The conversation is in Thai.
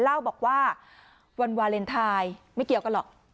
เล่าบอกว่าวันวาเลนไทยไม่เกี่ยวกันหรอก